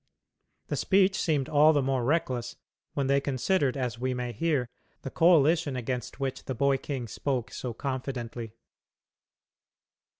The speech seemed all the more reckless when they considered, as we may here, the coalition against which the boy king spoke so confidently.